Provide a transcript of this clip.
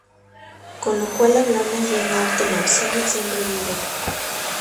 Con lo cual hablamos de un arte marcial siempre vivo.